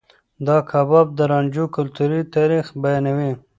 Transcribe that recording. دا کتاب د رانجو کلتوري تاريخ بيانوي.